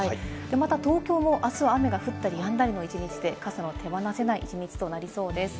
また東京もあすは雨が降ったり止んだりの一日で、傘の手放せない１日となりそうです。